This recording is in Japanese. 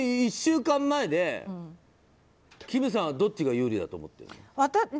１週間前で、金さんはどっちが有利だと思ってるの？